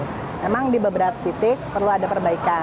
memang di beberapa titik perlu ada perbaikan